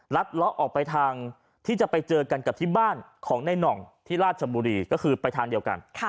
เลาะออกไปทางที่จะไปเจอกันกับที่บ้านของในหน่องที่ราชบุรีก็คือไปทางเดียวกัน